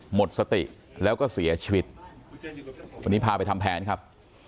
หมดสติแล้วก็เสียชีวิตวันนี้พาไปทำแผนครับ